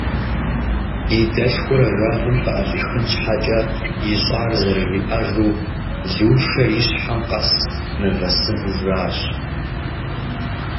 И дэлъхур ажалым къыӏэщӏихын щхьэкӏэ ищӏар зэрыжиӏэжу, Лушэр и щхьэм къэс мывэ сыну жащ.